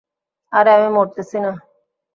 আরে আমি মরতেছি না!